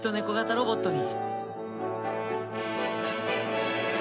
ロボットに。